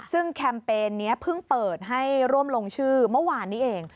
ซึ่งแคมเปญนี้เพิ่งเปิดให้ร่วมลงชื่อเมื่อวานนี้เอง